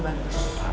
hasilnya juga bagus